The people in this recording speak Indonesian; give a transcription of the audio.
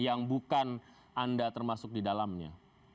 yang bukan anda termasuk di dalamnya